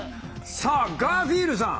さあガーフィールさん。